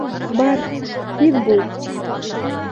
Бар, тиҙ бул!